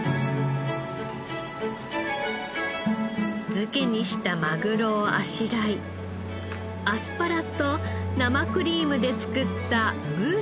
漬けにしたマグロをあしらいアスパラと生クリームで作ったムースなどを添え。